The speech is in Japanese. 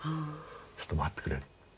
ちょっと待ってくれ。